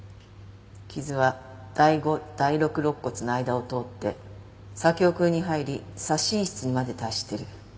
傷は第５第６肋骨の間を通って左胸腔に入り左心室にまで達してる。